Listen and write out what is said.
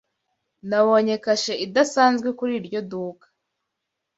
Nabonye kashe idasanzwe kuri iryo duka.